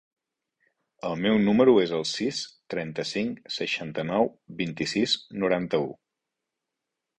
El meu número es el sis, trenta-cinc, seixanta-nou, vint-i-sis, noranta-u.